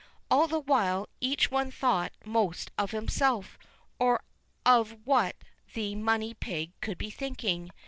All the while, each one thought most of himself, or of what the money pig could be thinking.